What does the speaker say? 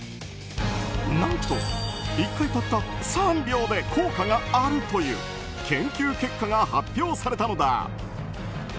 何と、１回たった３秒で効果があるという研究結果が発表されたのだ。